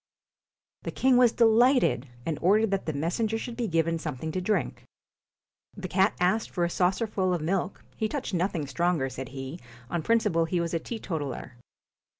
The king was delighted, and ordered that the messenger should be given something to drink. The cat asked for a saucerful of milk he touched nothing stronger, said he; on principle he was a teetotaller.